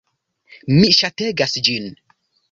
Mi ŝategas ĝin!